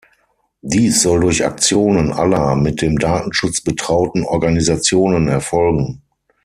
Dies soll durch Aktionen aller mit dem Datenschutz betrauten Organisationen erfolgen.